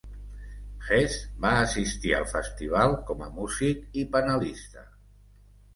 Hess va assistir al festival com a músic i panelista.